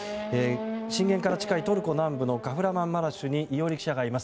震源から近いトルコ南部のカフラマンマラシュに伊従記者がいます。